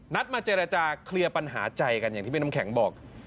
มาเจรจาเคลียร์ปัญหาใจกันอย่างที่พี่น้ำแข็งบอก